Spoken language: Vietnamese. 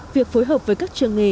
việc phối hợp với các trường nghề